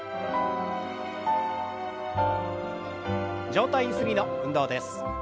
上体ゆすりの運動です。